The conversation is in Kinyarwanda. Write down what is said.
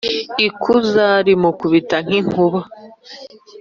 Ikuza rimukubita nk’inkuba,